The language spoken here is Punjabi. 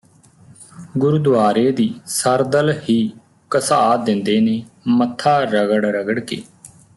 ਗੁਰਦੁਆਰੇ ਦੀ ਸਰਦਲ ਹੀ ਘਸਾ ਦਿੰਦੇ ਨੇ ਮੱਥਾ ਰਗੜਰਗੜ ਕੇ